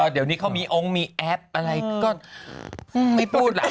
เดี๋ยวนี้เขามีองค์มีแอปอะไรก็ไม่พูดล่ะ